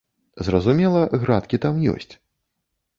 Зразумела, градкі там ёсць.